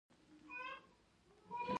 د سمنګان په خرم سارباغ کې څه شی شته؟